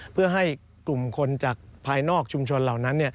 เพื่อให้กลุ่มคนจากภายนอกชุมชนเหล่านั้น